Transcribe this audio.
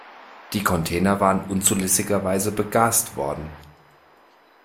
Die Container waren unzulässigerweise begast worden.